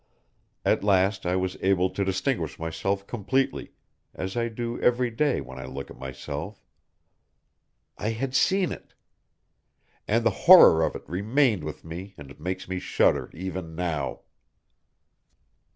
At last I was able to distinguish myself completely, as I do every day when I look at myself. I had seen it! And the horror of it remained with me and makes me shudder even now.